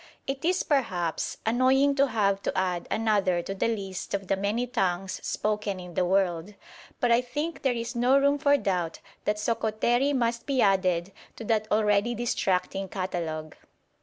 It is, perhaps, annoying to have to add another to the list of the many tongues spoken in the world, but I think there is no room for doubt that Sokoteri must be added to that already distracting catalogue.